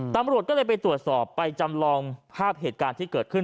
ตำรวจก็เลยไปตรวจสอบไปจำลองภาพเหตุการณ์ที่เกิดขึ้น